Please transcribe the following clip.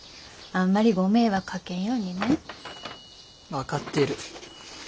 あんまりご迷惑かけんようにね。分かってる。